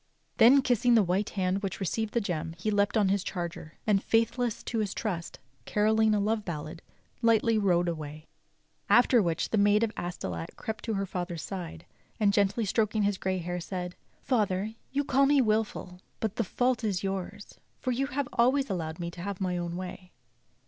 Then, kissing the white hand which received the gem, he leapt on his charger; and, faithless to his trust, carolling a love ballad, lightly rode away. After which the Maid of Astolat crept to her father's side, arid gently stroking his grey hair said: "Father, you call me wilful, but the fault is yours for you have always allowed me to have my own way.